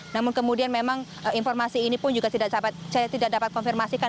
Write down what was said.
namun kemudian memang informasi ini pun juga saya tidak dapat konfirmasikan